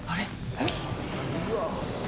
えっ？